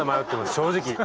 正直。